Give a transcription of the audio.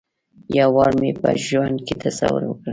یو وار مې په ژوند کې تصور وکړ.